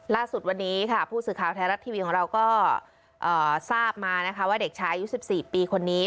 ล่าสุดวันนี้ค่ะผู้สื่อข่าวไทยรัฐทีวีของเราก็ทราบมานะคะว่าเด็กชายอายุ๑๔ปีคนนี้